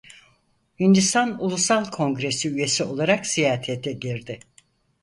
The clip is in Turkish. Hindistan Ulusal Kongresi üyesi olarak siyasete girdi.